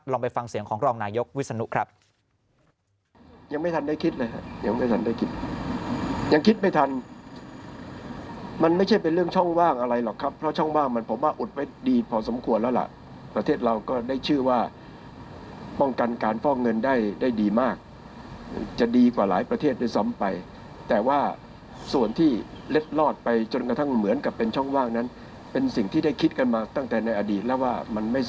ไปฟังเสียงของรองนายกวิศนุครับ